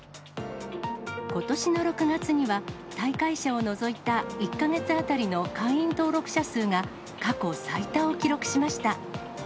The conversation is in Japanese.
ことしの６月には、退会者を除いた１か月当たりの会員登録者数が過去最多を記録しました。